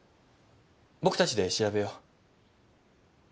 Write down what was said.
僕たちで調べよう。